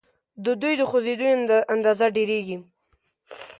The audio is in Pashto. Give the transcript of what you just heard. د دوی د خوځیدو اندازه ډیریږي.